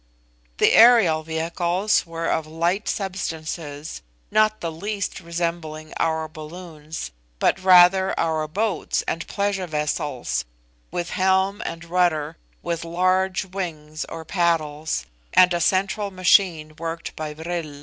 The aerial vehicles were of light substances, not the least resembling our balloons, but rather our boats and pleasure vessels, with helm and rudder, with large wings or paddles, and a central machine worked by vril.